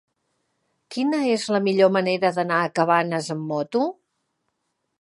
Quina és la millor manera d'anar a Cabanes amb moto?